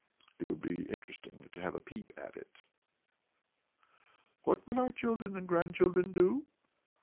It would be interesting to have a peep at it." "What will our children and grandchildren do?"